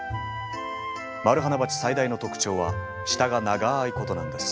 マルハナバチ最大の特徴は舌が長いことなんです。